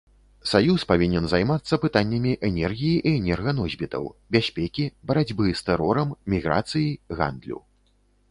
Саюз павінен займацца пытаннямі энергіі і энерганосьбітаў, бяспекі, барацьбы з тэрорам, міграцыі, гандлю.